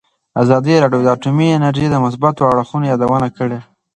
ازادي راډیو د اټومي انرژي د مثبتو اړخونو یادونه کړې.